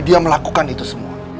dia melakukan itu semua